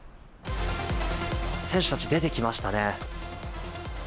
選手たち、出てきましたね。